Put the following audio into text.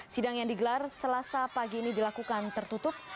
sidang yang digelar selasa pagi ini dilakukan tertutup